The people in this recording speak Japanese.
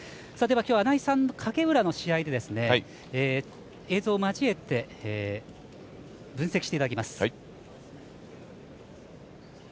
きょう、穴井さん、影浦の試合で映像を交えて分析していただきます。